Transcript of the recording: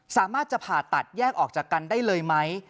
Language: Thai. สามารถจะผ่าตัดแยกออกจากกันได้เลยไหม